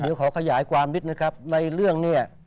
เดี๋ยวขอขยายความนิดหนึ่งครับในเรื่องเนี่ย